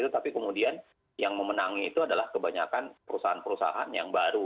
tapi kemudian yang memenangi itu adalah kebanyakan perusahaan perusahaan yang baru